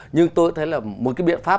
nhưng tôi thấy là một cái biện pháp